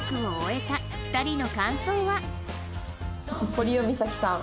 堀尾実咲さん。